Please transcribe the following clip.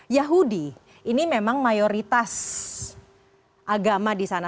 yahudi ini memang mayoritas agama di sana